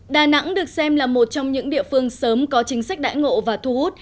đà nẵng được xem là một trong những địa phương sớm có chính sách đãi ngộ và thu hút